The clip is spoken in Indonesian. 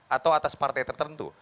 atau atas partai tertentu